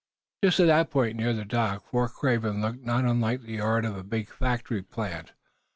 Just at the point near the dock, Fort Craven looked not unlike the yard of a big factory plant.